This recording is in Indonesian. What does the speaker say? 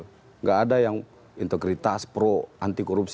tidak ada yang integritas pro anti korupsi